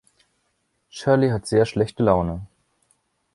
Shirley hat sehr schlechte Laune.